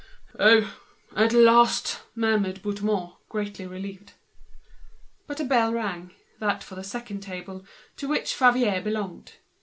"Oh! at last!" murmured Bouthemont, greatly relieved. But a bell rang, it was the second table, to which Favier belonged.